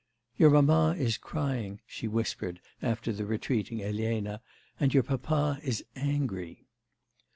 'Your mamma is crying,' she whispered after the retreating Elena, 'and your papa is angry.